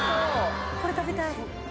これ食べたい。